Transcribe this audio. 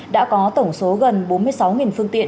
đã có tổng số gần bốn mươi sáu phương tiện